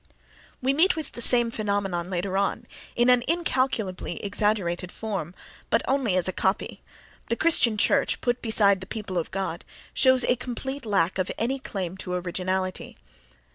We meet with the same phenomenon later on, in an incalculably exaggerated form, but only as a copy: the Christian church, put beside the "people of God," shows a complete lack of any claim to originality.